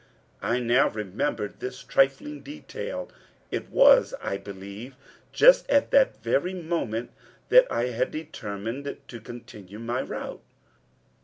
I now remembered this trifling detail. It was, I believe, just at that very moment that I had determined to continue my route.